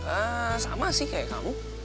ah sama sih kayak kamu